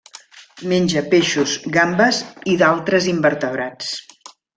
Menja peixos, gambes i d'altres invertebrats.